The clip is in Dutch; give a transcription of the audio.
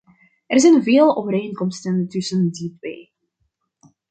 Er zijn veel overeenkomsten tussen die twee.